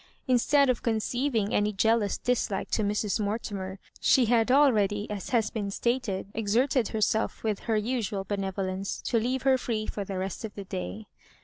Instead of oonceiving any jealous dislike to Mrs. Mor timer, she had already, as has been stated, exerted herself with her usual benevolence to leave her free for the rest of the day.